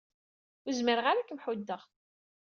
Ur zmireɣ ara ad kem-ḥuddeɣ.